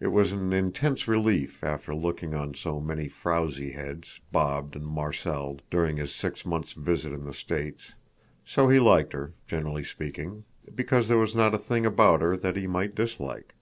It was an intense relief after looking on so many frowsy heads, bobbed and marcelled, during his six months' visit in the States. So he liked her, generally speaking, because there was not a thing about her that he might dislike.